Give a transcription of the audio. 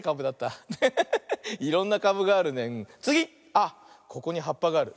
あっここにはっぱがある。